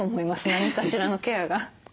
何かしらのケアが。